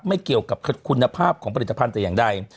ไม่เกี่ยวกับคุณภาพของผลิตภัณฑ์แต่อย่างใด